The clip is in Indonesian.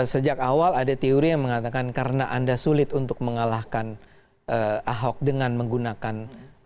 sejak awal ada teori yang mengatakan karena anda sulit untuk mengalahkan ahok dengan menggunakan